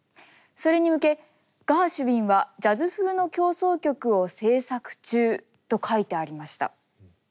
それに向けガーシュウィンはジャズ風の協奏曲を制作中と書いてありました。